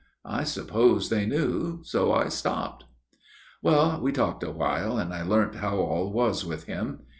I supposed they knew, so I stopped.' " Well, we talked a while and I learnt how all was with him.